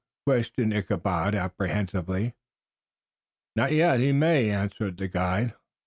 questioned Ichabod apprehensively. "Not yet. He may," answered the guide.